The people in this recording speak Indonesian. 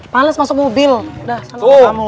pales masuk mobil udah sama kamu